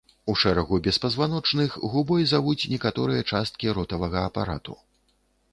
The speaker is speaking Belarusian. У шэрагу беспазваночных губой завуць некаторыя часткі ротавага апарату.